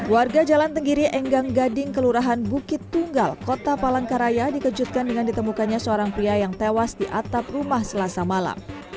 warga jalan tenggiri enggang gading kelurahan bukit tunggal kota palangkaraya dikejutkan dengan ditemukannya seorang pria yang tewas di atap rumah selasa malam